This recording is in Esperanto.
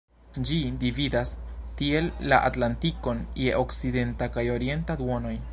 Ĝi dividas tiel la Atlantikon je okcidenta kaj orienta duonoj.